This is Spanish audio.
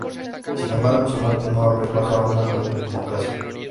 Sin embargo, su muerte no abrió paso a una mayor democracia.